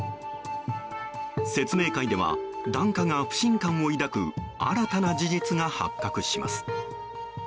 説明会では檀家が不信感を抱く新たな事実が発覚します。